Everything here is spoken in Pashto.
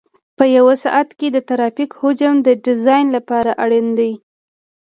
په یو ساعت کې د ترافیک حجم د ډیزاین لپاره اړین دی